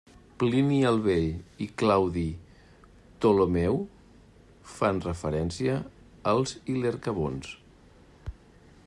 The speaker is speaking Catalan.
Plini el Vell i Claudi Ptolemeu fan referència als ilercavons.